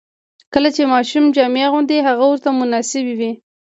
کله چې ماشوم جامې اغوندي، هغه ورته مناسبې وي.